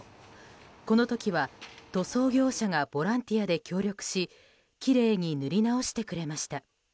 この時は、塗装業者がボランティアで協力しきれいに塗り直してくれました。